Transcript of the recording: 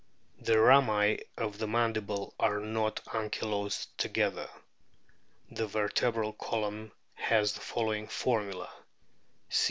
The rami of the mandible are not ankylosed together. The vertebral column has the following formula : C.